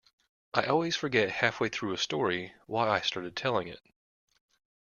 I always forget halfway through a story why I started telling it.